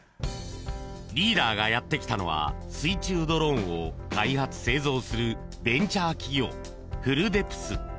リーダーがやってきたのは水中ドローンを開発・製造するベンチャー企業ＦｕｌｌＤｅｐｔｈ。